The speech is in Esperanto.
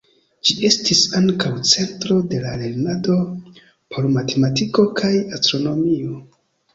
Ĝi estis ankaŭ centro de lernado por matematiko kaj astronomio.